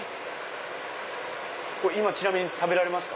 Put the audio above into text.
今ちなみに食べられますか？